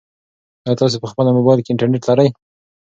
ایا تاسي په خپل موبایل کې انټرنيټ لرئ؟